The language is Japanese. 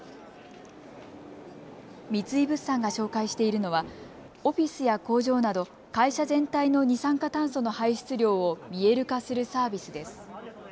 三井物産が紹介しているのはオフィスや工場など会社全体の二酸化炭素の排出量を見える化するサービスです。